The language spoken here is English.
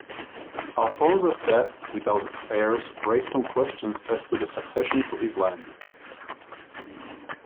Alphonse's death without heirs raised some questions as to the succession to his lands.